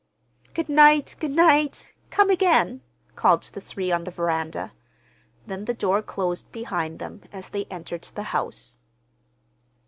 "Good night, good night! Come again," called the three on the veranda. Then the door closed behind them, as they entered the house.